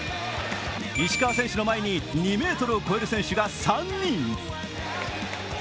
石川選手の前に２ｍを超える選手が３人。